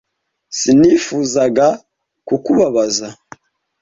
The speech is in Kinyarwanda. Sinifuzaga kukubabaza.